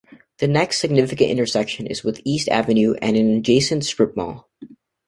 The next significant intersection is with East Avenue and an adjacent stripmall.